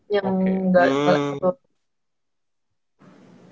yang gak di mes